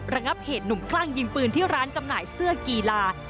ระงับเหตุหนุ่มคลั่งยิงปืนที่ร้านจำหน่ายเสื้อกีฬา